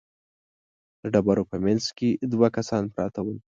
د ډبرو په مينځ کې دوه کسان پراته ول.